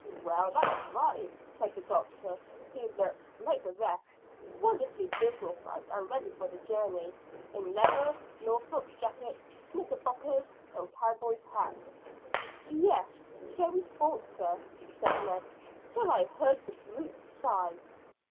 "Well, that's right," said the doctor, who looked, like the rest, wonderfully business like and ready for the journey, in leather Norfolk jacket, knickerbockers, and cowboy's hat. "Yes, so we thought, sir," said Ned, "till I heard the brute sigh."